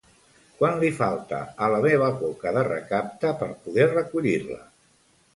Quant li falta a la meva coca de recapte per poder recollir-la?